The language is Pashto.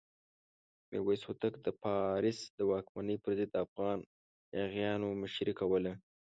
میرویس هوتک د فارس د واکمنۍ پر ضد د افغان یاغیانو مشري کوله.